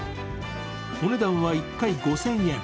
お値段は１回５０００円。